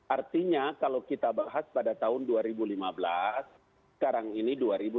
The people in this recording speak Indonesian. artinya kalau kita bahas pada tahun dua ribu lima belas sekarang ini dua ribu dua puluh